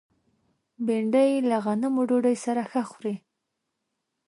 بېنډۍ له غنمو ډوډۍ سره ښه خوري